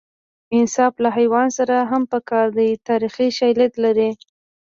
انصاف له حیوان سره هم په کار دی تاریخي شالید لري